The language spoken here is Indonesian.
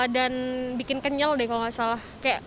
dan bikin kenyal deh kalau gak salah